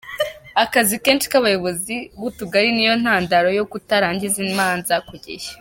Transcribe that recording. Akazi kenshi k’abayobozi b’utugari ni yo ntandaro yo kutarangiza imanza ku gihe